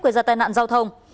gây ra tai nạn giao thông